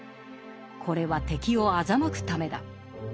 これは敵を欺くためだ。